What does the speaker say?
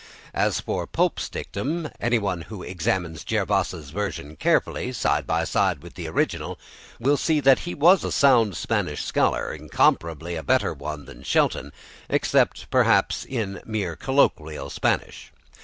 As for Pope's dictum, anyone who examines Jervas's version carefully, side by side with the original, will see that he was a sound Spanish scholar, incomparably a better one than Shelton, except perhaps in mere colloquial Spanish.